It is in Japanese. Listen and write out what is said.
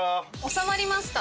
収まりました。